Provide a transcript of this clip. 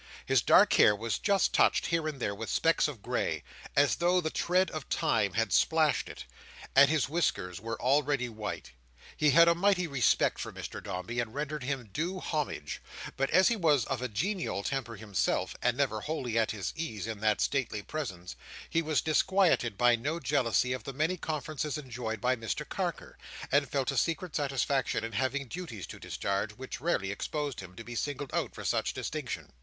His dark hair was just touched here and there with specks of gray, as though the tread of Time had splashed it; and his whiskers were already white. He had a mighty respect for Mr Dombey, and rendered him due homage; but as he was of a genial temper himself, and never wholly at his ease in that stately presence, he was disquieted by no jealousy of the many conferences enjoyed by Mr Carker, and felt a secret satisfaction in having duties to discharge, which rarely exposed him to be singled out for such distinction.